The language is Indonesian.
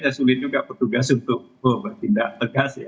ya sulit juga petugas untuk bertindak tegas ya